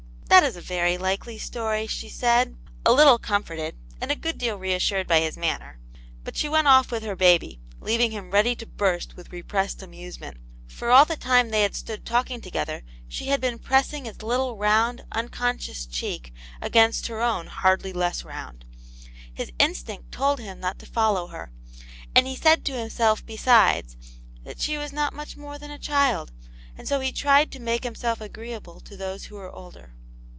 " That is a very likely, story," she said, a little comforted, and a good deal reassured by his man ner, but she went off with her baby, leaving him ready to burst with repressed amusement, for iall the time they had stood talking together, she hid been pressing its little round, unconscious cheek agaiitist her own hardly less round, H\a \vv^\\tvc\. \.0A "^vc^ 22 Aimt Janets Hero. not to follow her, and he said to himself besides, that she was not much more than a child, and so he tried to make himself agreeable to those who were older.